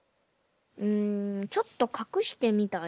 うんちょっとかくしてみたり。